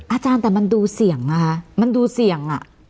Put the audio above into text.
อาจารย์แต่มันดูเสี่ยงมันดูเสี่ยง